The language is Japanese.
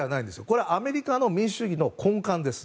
これはアメリカの民主主義の根幹です。